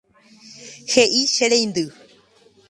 He'i che reindy.